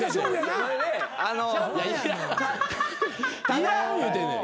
いらん言うてるねん。